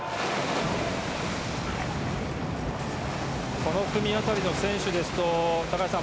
この組辺りの選手ですと高橋さん